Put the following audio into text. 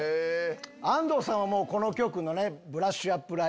安藤さんはもうこの局のね『ブラッシュアップライフ』。